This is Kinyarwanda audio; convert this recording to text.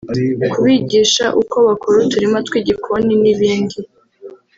kubigisha uko bakora uturima tw’igikoni n’ibindi